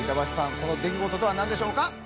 この出来事とは何でしょうか？